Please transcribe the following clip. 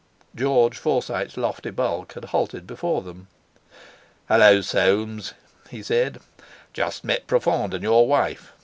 George Forsyte's lofty bulk had halted before them. "Hallo, Soames!" he said. "Just met Profond and your wife.